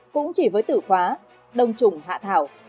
cũng chỉ với tử khóa đông trùng hạ thảo